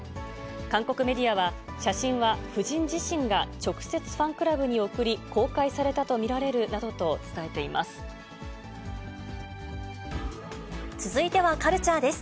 韓国メディアは、写真は夫人自身が直接ファンクラブに送り、公開されたと見られる続いてはカルチャーです。